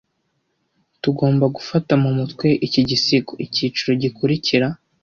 Tugomba gufata mu mutwe iki gisigo icyiciro gikurikira.